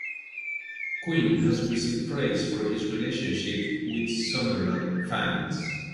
Quinn has received praise for his relationship with Sunderland fans.